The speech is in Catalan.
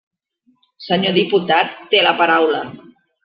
Senyor diputat, té la paraula.